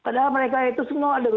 padahal mereka itu semua ada